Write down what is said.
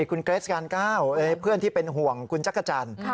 คุณเกรสการ๙เพื่อนที่เป็นห่วงคุณจักรจันทร์